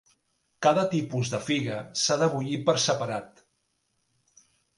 Cada tipus de figa s'ha de bullir per separat.